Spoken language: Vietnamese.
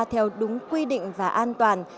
theo đúng quy định và an toàn